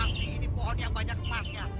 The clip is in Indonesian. masih ini pohon yang banyak kemasnya